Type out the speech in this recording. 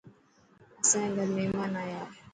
اسائي گھر مهمان آيا هي.